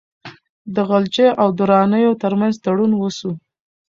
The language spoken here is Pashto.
د غلجیو او درانیو ترمنځ تړون وسو.